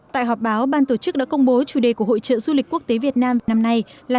tại họp báo ban tổ chức đã công bố chủ đề của hội trợ du lịch quốc tế việt nam năm nay là